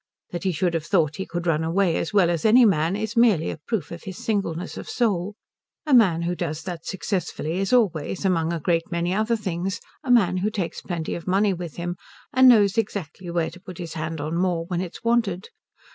That he should have thought he could run away as well as any man is merely a proof of his singleness of soul. A man who does that successfully is always, among a great many other things, a man who takes plenty of money with him and knows exactly where to put his hand on more when it is wanted.